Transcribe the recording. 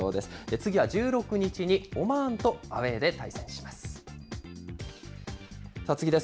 次は１６日にオマーンとアウエーで対戦します。